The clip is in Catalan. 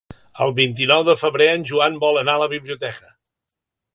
El vint-i-nou de febrer en Joan vol anar a la biblioteca.